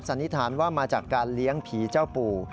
นิษฐานว่ามาจากการเลี้ยงผีเจ้าปู่